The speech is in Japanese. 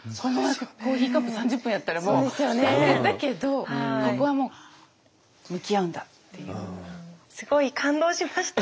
コーヒーカップ３０分やったらもう大変だけどここはもうすごい感動しました。